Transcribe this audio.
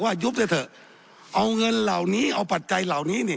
ว่ายุบจะเถอะเอาเงินเหล่านี้เอาปัจจัน